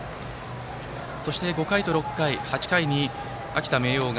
そして５回と６回、８回に秋田・明桜が。